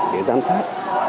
để giám sát